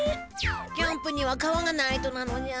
キャンプには川がないとなのじゃ。